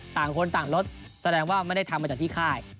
ต่างคนต่างรถแสดงว่าไม่ได้ทำมาจากที่ค่าย